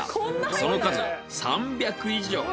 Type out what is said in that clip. その数３００以上。